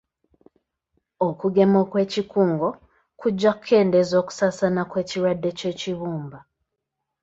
Okugema okw'ekikungo kujja kukendeeza okusaasaana kw'ekirwadde ky'ekibumba.